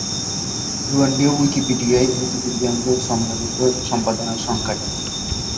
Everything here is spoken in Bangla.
রুয়ান্ডীয় উইকিপিডিয়ায় উইকিপিডিয়ানদের সম্মিলিত সম্পাদনার সংখ্যা টি।